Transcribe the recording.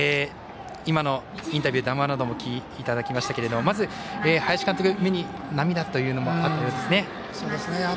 今のインタビュー、談話などもお聞きいただきましたけれどもまず林監督、目に涙というのもあったようですね。